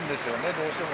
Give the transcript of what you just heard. どうしても。